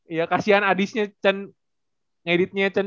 iya kasihan adisnya cen ngeditnya cen